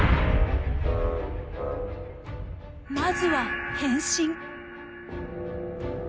まずは変身！